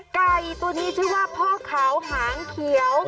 ไก่ตัวนี้ชื่อว่าพ่อขาวหางเขียว